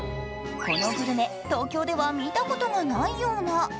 このグルメ、東京では見たことがないような。